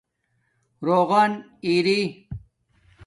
رُغن ارئئ